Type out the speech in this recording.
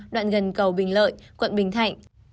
đoạn gần cầu bình lợi quận bình thạnh